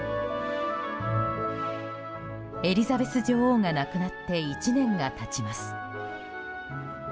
エリザベス女王が亡くなって１年が経ちます。